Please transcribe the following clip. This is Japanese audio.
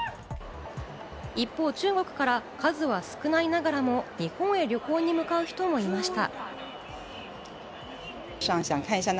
一方、中国から数は少ないながらも日本へ旅行に向かう人もいました。